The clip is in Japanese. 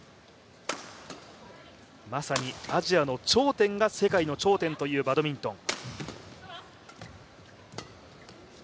まさにアジアの頂点が世界の頂点というバドミントン。